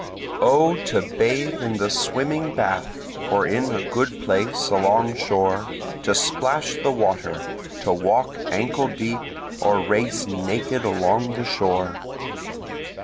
O to bathe in the swimming bath, or in a good place along shore, To splash the water! to walk ankle deep, or race naked along the shore.